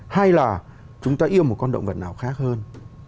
hay là chúng ta yêu một con động vật nào khác hơn